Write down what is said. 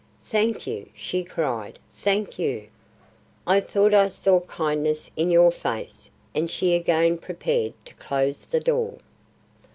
"Thank you," she cried; "thank you. I thought I saw kindness in your face." And she again prepared to close the door.